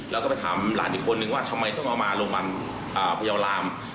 แล้วก็ไปถามหลานอีกคนนึงว่าทำไมต้องเอามาโรงพยาบาลพยาวราม